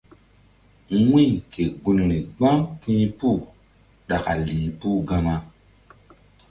Wu̧y ke gunri gbam ti̧h puh ɗaka lih puh gama.